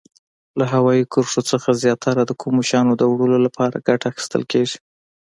له هوایي کرښو څخه زیاتره د کوم شیانو د وړلو لپاره ګټه اخیستل کیږي؟